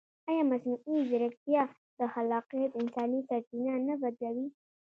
ایا مصنوعي ځیرکتیا د خلاقیت انساني سرچینه نه بدلوي؟